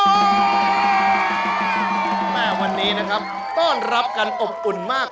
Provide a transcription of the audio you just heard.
ทุกแม่วันนี้ครับต้อนรับกันอบอุ่นมากนะคะ